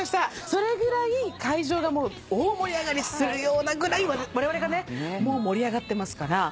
それぐらい会場が大盛り上がりするようなぐらいわれわれがね盛り上がってますから。